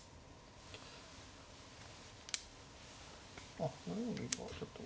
あっ４四銀がちょっと。